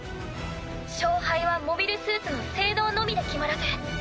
勝敗はモビルスーツの性能のみで決まらず。